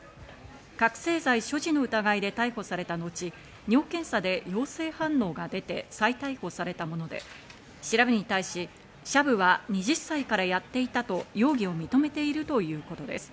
覚醒剤所持の疑いで逮捕された後、尿検査で陽性反応が出て再逮捕されたもので、調べに対し、シャブは２０歳からやっていたと容疑を認めているということです。